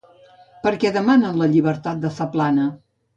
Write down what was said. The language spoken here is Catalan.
Per què demanen la llibertat de Zaplana?